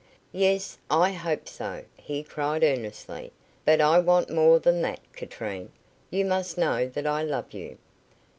"Yes, I hope so," he cried earnestly, "but I want more than that, Katrine. You must know that I love you."